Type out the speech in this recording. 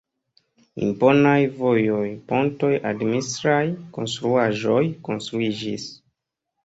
Imponaj vojoj, pontoj, administraj konstruaĵoj konstruiĝis.